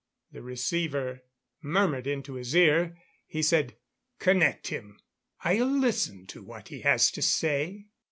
The receiver murmured into his ear. He said: "Connect him I'll listen to what he has to say."